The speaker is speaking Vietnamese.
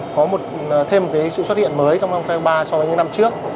có thêm sự xuất hiện mới trong năm hai nghìn hai mươi ba so với những năm trước